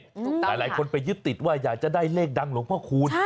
หลายคนไปยึดติดว่าอยากจะได้เลขดังหลวงพ่อคูณ